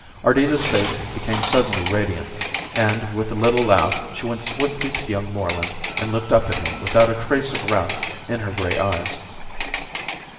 Ardita's face became suddenly radiant, and with a little laugh she went swiftly to young Moreland and looked up at him without a trace of wrath in her gray eyes.